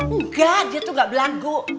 enggak dia tuh gak belanggu